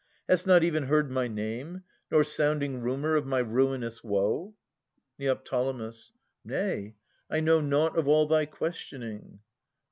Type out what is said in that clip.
Hast not even heard my name, Nor sounding rumour of my ruinous woe ? Neo. Nay, I know nought of all thy questioning.